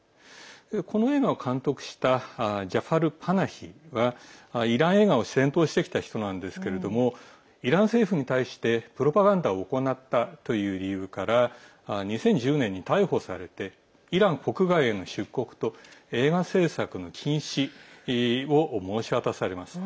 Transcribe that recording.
この映画を監督したジャファル・パナヒはイラン映画を先導してきた人なんですがイラン政府に対してプロパガンダを行ったという理由から２０１０年に逮捕されてイラン国外への出国と映画制作の禁止を申し渡されます。